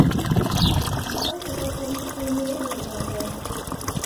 Clarke is also interested in the ageing process.